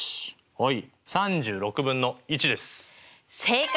はい。